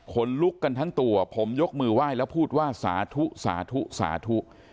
ลุกกันทั้งตัวผมยกมือไหว้แล้วพูดว่าสาธุสาธุสาธุ